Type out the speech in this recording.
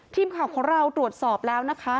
ทีมข่าวของเราตรวจสอบแล้วนะคะ